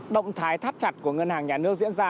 động thái thắt chặt của ngân hàng nhà nước diễn ra